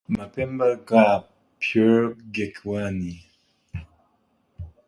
Mapemba gha pure ghekwaeni.